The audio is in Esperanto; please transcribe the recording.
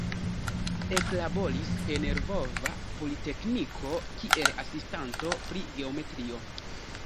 Eklaboris en Lvova Politekniko kiel asistanto pri geometrio.